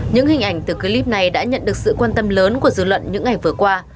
những hình ảnh từ clip này đã nhận được sự quan tâm lớn của dư luận những ngày vừa qua